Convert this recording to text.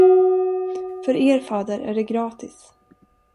För er, fader, är det gratis.